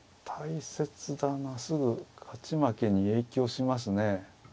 すぐ勝ち負けに影響しますね。